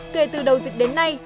kể từ đầu dịch đến nay